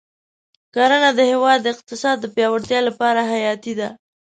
کرنه د هېواد د اقتصاد د پیاوړتیا لپاره حیاتي ده.